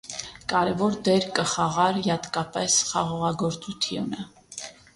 Կարեւոր դեր կը խաղար յատկապէս խաղողագործութիւնը։